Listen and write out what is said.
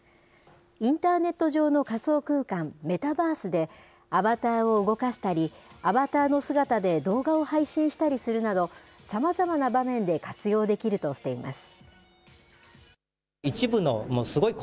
インターネット上の仮想空間、メタバースで、アバターを動かしたり、アバターの姿で動画を配信したりするなど、さまざまな場面で活用できるとしています。